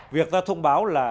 việc ra thông báo là